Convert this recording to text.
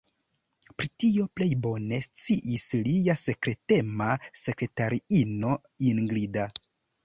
Pri tio plej bone sciis lia sekretema sekretariino Ingrida.